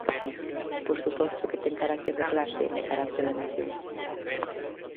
Por suposto que ten carácter de clase e carácter de nación.